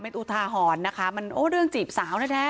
เป็นอุทาหรณ์นะคะมันโอ้เรื่องจีบสาวแน่